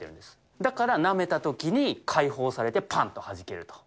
だからなめたときに解放されて、ぱんとはじけると。